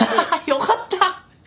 よかった！